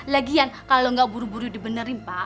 lagian kalau gak buru buru dibenerin